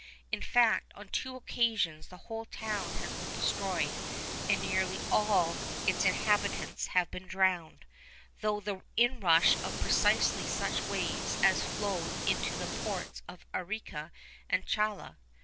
In fact, on two occasions the whole town has been destroyed, and nearly all its inhabitants have been drowned, through the inrush of precisely such waves as flowed into the ports of Arica and Chala.